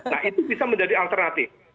nah itu bisa menjadi alternatif